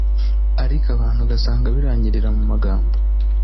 ariko abantu ugasanga birangirira mu magambo